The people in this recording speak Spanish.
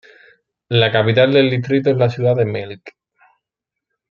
La capital del distrito es la ciudad de Melk.